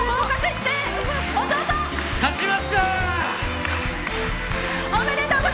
勝ちました！